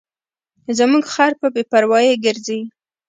زموږ خر په بې پروایۍ ګرځي.